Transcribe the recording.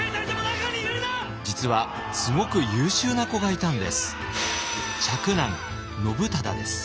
実はすごく優秀な子がいたんです。